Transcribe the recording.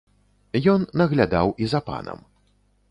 Ён наглядаў і за панам.